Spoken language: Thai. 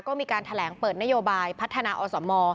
ก็มีการแถลงเปิดนโยบายพัฒนาอสม